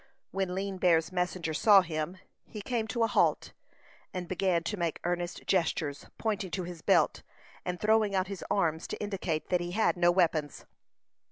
When Lean Bear's messenger saw him, he came to a halt, and began to make earnest gestures, pointing to his belt, and throwing out his arms to indicate that he had no weapons.